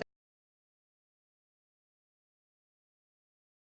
pemain tersebut diberikan kekuatan di pangkalan tersebut